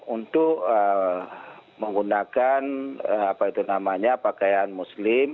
untuk menggunakan apa itu namanya pakaian muslim